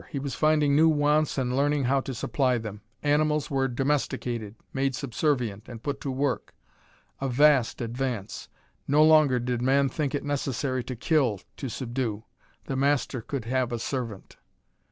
He was finding new wants and learning how to supply them. Animals were domesticated, made subservient and put to work. A vast advance! No longer did man think it necessary to kill, to subdue: the master could have a servant.